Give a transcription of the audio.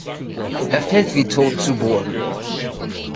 Er fällt wie tot zu Boden.